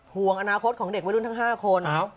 ห่วงอนาคตของเด็กวัยรุ่นทั้ง๕คน